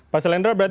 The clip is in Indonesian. pak selendra berarti